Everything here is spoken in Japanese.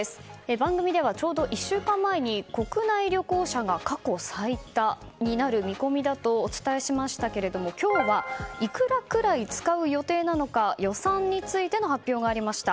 番組ではちょうど１週間前に国内旅行者が過去最多になる見込みだとお伝えしましたけれども今日はいくらくらい使う予定なのか予算についての発表がありました。